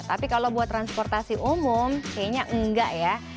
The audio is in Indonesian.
tapi kalau buat transportasi umum kayaknya enggak ya